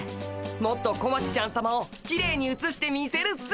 もっと小町ちゃんさまをきれいにうつしてみせるっす。